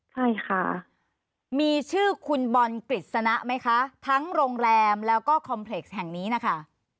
ใช่ค่ะมีชื่อคุณบอลกฤษณะไหมคะทั้งโรงแรมแล้วก็คอมเพล็กซ์แห่งนี้นะคะ